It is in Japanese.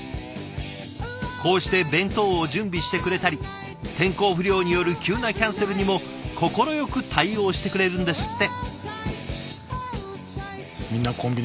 こうして弁当を準備してくれたり天候不良による急なキャンセルにも快く対応してくれるんですって。